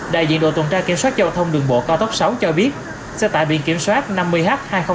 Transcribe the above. đại diện đội tổng tra kiểm soát giao thông đường bộ cao tốc sáu cho biết xe tải biển kiểm soát năm mươi h hai mươi nghìn năm trăm sáu mươi bảy